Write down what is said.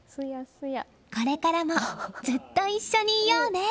これからもずっと一緒にいようね。